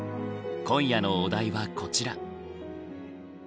今夜のお題はこちら。